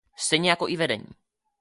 Stejně jako i vedení.